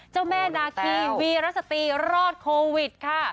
เจ้าแม่นาคีวีรสตรีรอดโควิดค่ะ